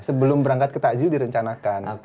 sebelum berangkat ke ta jil direncanakan